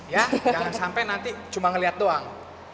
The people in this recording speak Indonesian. jangan sampai nanti cuma melihat doang